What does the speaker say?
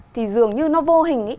thì dường như nó vô hình ý